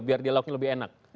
biar dialognya lebih enak